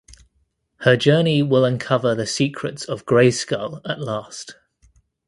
Her journey will uncover the secrets of Grayskull at last.